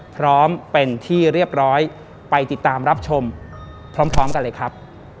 พร้อมเป็นที่เรียบร้อยไปติดตามรับชมพร้อมกันเลยครับ